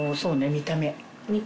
見た目。